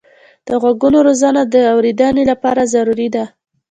د غوږو روزنه د اورېدنې لپاره ضروري ده.